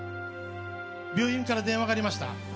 病院から電話がありました。